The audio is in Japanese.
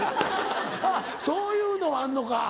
あっそういうのあんのか。